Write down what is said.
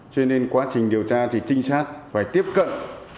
cho nên quá trình điều tra thì trinh sát phải tiếp cận